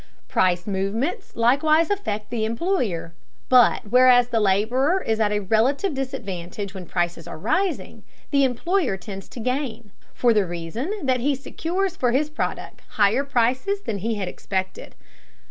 Price movements likewise affect the employer. But whereas the laborer is at a relative disadvantage when prices are rising, the employer tends to gain, for the reason that he secures for his product higher prices than he had expected.